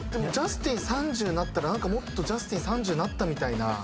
ジャスティン３０になったらもっとジャスティン３０になったみたいな。